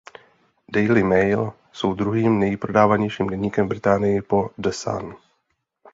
Daily Mail jsou druhým nejprodávanějším deníkem v Británii po The Sun.